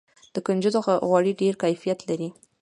د کنجدو غوړي ډیر کیفیت لري.